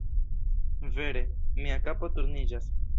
Vere, mia kapo turniĝas.